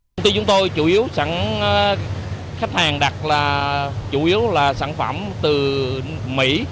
công ty chúng tôi chủ yếu khách hàng đặt là chủ yếu là sản phẩm từ mỹ